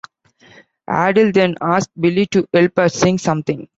Adele then asks Billy to help her sing something.